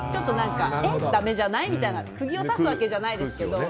え、だめじゃない？みたいな釘を刺すわけじゃないですけど。